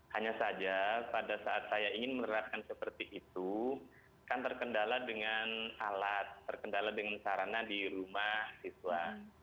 hanya saja pada saat saya ingin menerapkan seperti itu kan terkendala dengan alat terkendala dengan sarana di rumah siswa